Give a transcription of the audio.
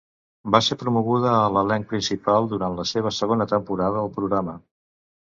Va ser promoguda a l'elenc principal durant la seva segona temporada al programa.